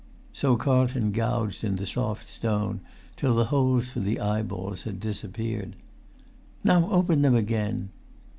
So Carlton gouged in the soft stone till the holes for the eyeballs had disappeared. "Now open them again!"